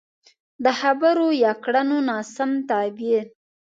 د خبرو يا کړنو ناسم تعبير.